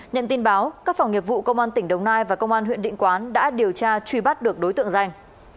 nhận tin báo các phòng nghiệp vụ công an tỉnh đồng nai và công an huyện định quán đã điều tra truy bắt được đối tượng danh